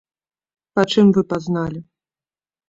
Па чым вы пазналі?